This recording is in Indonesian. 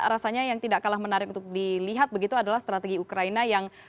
rasanya yang tidak kalah menarik untuk dilihat begitu adalah strategi ukraina yang